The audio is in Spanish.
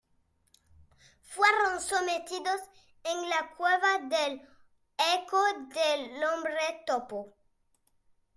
Fueron sometidos en la cueva del eco de Hombre Topo.